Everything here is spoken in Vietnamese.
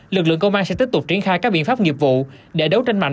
lực lượng công an sẽ tiếp tục triển khai các biện pháp nghiệp vụ để đấu tranh mạnh